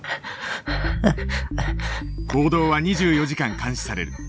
行動は２４時間監視される。